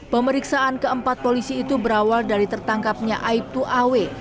pemeriksaan keempat polisi itu berawal dari tertangkapnya aibtu awe